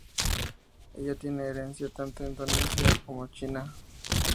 Ella tiene herencia tanto indonesia como china.